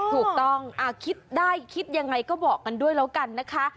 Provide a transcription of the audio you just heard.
ถูกต้องคิดได้คิดยังไงก็บอกกันด้วยแล้วกันนะคะ